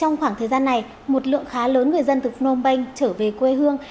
trong khoảng thời gian này một lượng khá lớn người dân từ phnom penh trở về quê hương